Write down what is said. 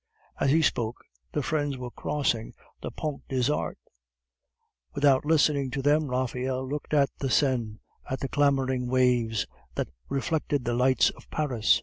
As he spoke, the friends were crossing the Pont des Arts. Without listening to them, Raphael looked at the Seine, at the clamoring waves that reflected the lights of Paris.